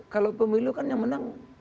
kalau pemilu kan yang menang